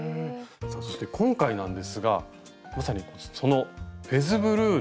さあそして今回なんですがまさにその「フェズブルー」の。